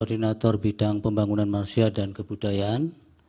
koordinator bidang pembangunan manusia dan kebudayaan